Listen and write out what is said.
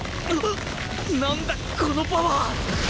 なんだこのパワー！？